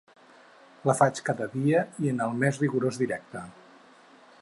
La faig cada dia, i en el més rigorós directe.